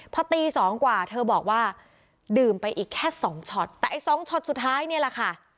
พอตีสองกว่าเธอบอกว่าดื่มไปอีกแค่สองช็อตแต่ไอ้สองช็อตสุดท้ายเนี่ยแหละค่ะ